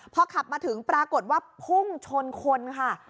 พอขับมาถึงปรากฏว่าพุ่งชนคนค่ะ